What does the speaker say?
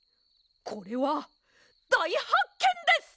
これはだいはっけんです！